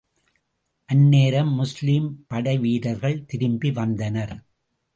அந்நேரம் முஸ்லிம் படைவீரர்கள் திரும்பி வந்தனர்.